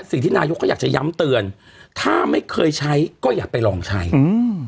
สิ่งที่นายกเขาอยากจะย้ำเตือนถ้าไม่เคยใช้ก็อย่าไปลองใช้อืม